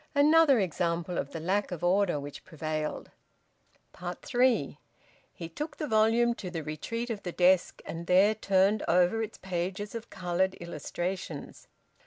Another example of the lack of order which prevailed! THREE. He took the volume to the retreat of the desk, and there turned over its pages of coloured illustrations.